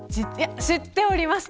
知っていました。